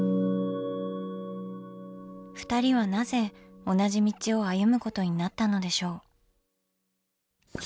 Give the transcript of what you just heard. ふたりはなぜ同じ道を歩むことになったのでしょう？